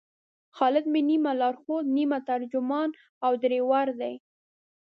خالد مې نیمه لارښود، نیمه ترجمان او ډریور دی.